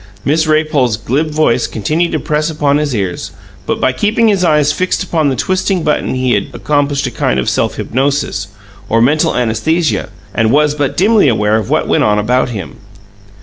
Miss Raypole's glib voice continued to press upon his ears; but, by keeping his eyes fixed upon the twisting button he had accomplished a kind of self hypnosis, or mental anaesthesia, and was but dimly aware of what went on about him.